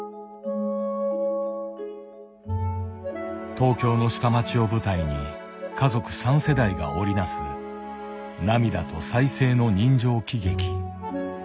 東京の下町を舞台に家族３世代が織り成す涙と再生の人情喜劇。